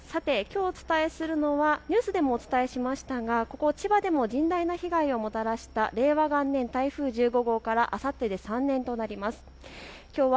きょう、お伝えするのはニュースでもお伝えしましたがここ、千葉でも甚大な被害をもたらした令和元年台風１５号からあさってで３年となります。